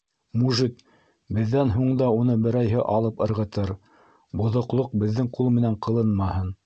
Мужит, беҙҙән һуң да уны берәйһе алып ырғытыр, боҙоҡлоҡ беҙҙең ҡул менән ҡылынмаһын.